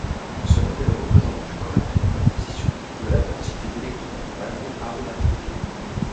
Ce modèle représente plus correctement la position de la densité d'électron dans l'anneau aromatique.